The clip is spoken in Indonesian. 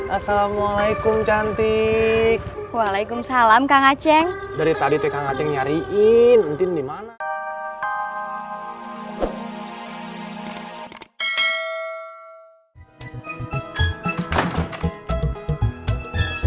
assalamualaikum cantik waalaikumsalam kak ngaceng dari tadi ke ngajeng nyariin dimana